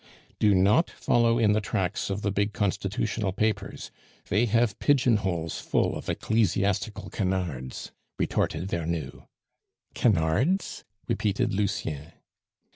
"Do not follow in the tracks of the big Constitutional papers; they have pigeon holes full of ecclesiastical canards," retorted Vernou. "Canards?" repeated Lucien.